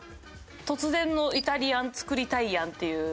突然の「イタリアン作りたいやん」っていう。